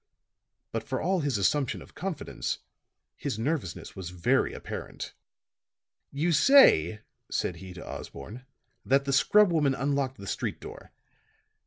But for all his assumption of confidence, his nervousness was very apparent. "You say," said he to Osborne, "that the scrubwoman unlocked the street door.